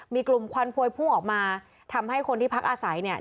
มีกลุ่มควันพวยพุ่งออกมาทำให้คนที่พักอาศัยเนี่ย